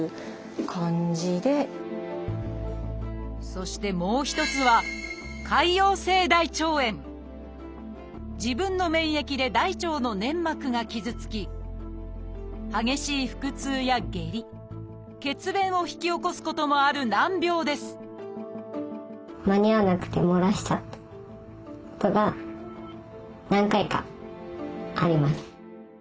そしてもう一つは自分の免疫で大腸の粘膜が傷つき激しい腹痛や下痢血便を引き起こすこともある難病ですことが何回かあります。